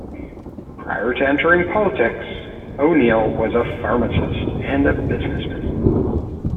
Prior to entering politics O'Neal was a pharmacist and businessman.